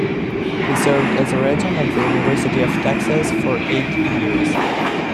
He served as a regent of the University of Texas for eight years.